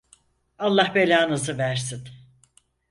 Allah belanızı versin!